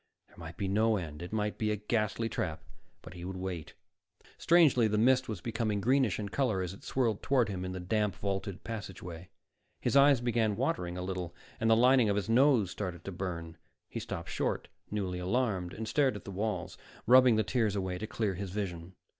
There might be no end; it might be a ghastly trap, but he would wait. Strangely, the mist was becoming greenish in color as it swirled toward him in the damp vaulted passageway. His eyes began watering a little and the lining of his nose started to burn. He stopped short, newly alarmed, and stared at the walls, rubbing the tears away to clear his vision.